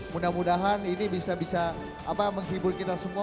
mudah mudahan ini bisa bisa menghibur kita semua